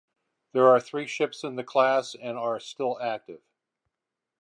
There are three ships in the class and are still active.